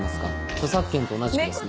著作権と同じくですね。